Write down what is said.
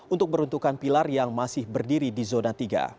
untuk meruntuhkan pilar yang masih berdiri di zona tiga